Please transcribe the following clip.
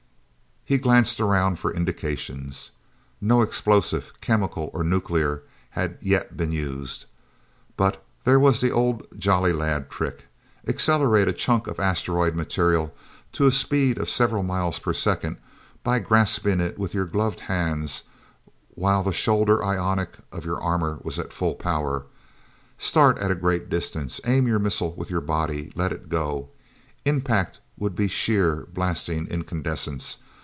He glanced around for indications. No explosive, chemical or nuclear, had yet been used. But there was the old Jolly Lad trick: Accelerate a chunk of asteroid material to a speed of several miles per second by grasping it with your gloved hands, while the shoulder ionic of your armor was at full power. Start at a great distance, aim your missile with your body, let it go... Impact would be sheer, blasting incandescence.